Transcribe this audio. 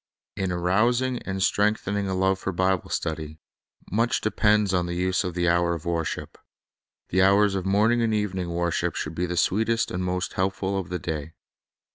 In arousing and strengthening a love for Bible stud} r , much depends on the use of the hour of wor ship. The hours of morning and evening worship should be the sweetest and most helpful of the day.